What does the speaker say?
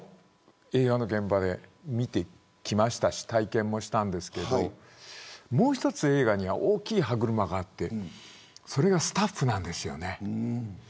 映画の現場で見てきましたし体験もしたんですけれどもう１つ映画には大きい歯車があってそれがスタッフなんですよね。